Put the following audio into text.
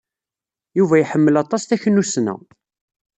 Yuba iḥemmel aṭas taknussna.